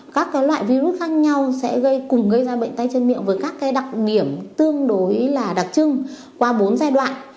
các loại virus khác nhau sẽ gây cùng gây ra bệnh tay chân miệng với các đặc điểm tương đối là đặc trưng qua bốn giai đoạn